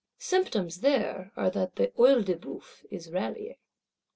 Symptoms there are that the Œil de Bœuf is rallying.